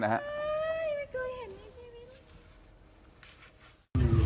นะครับ